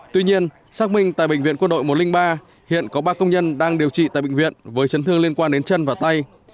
tuy nhiên xác minh tại bệnh viện quân đội một trăm linh ba hiện có ba công nhân đang điều trị tại bệnh viện với chấn thương liên quan đến chân và tay